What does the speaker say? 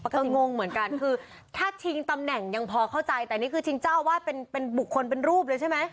เธองงเหมือนกันคือถ้าชิงตำแหน่งยังพอเข้าใจแต่นี่คือชิงเจ้าอาวาสเป็นบุคคลเป็นรูปเลยใช่ไหม